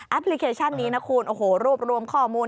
พลิเคชันนี้นะคุณโอ้โหรวบรวมข้อมูล